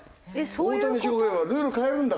大谷翔平はルール変えるんだから。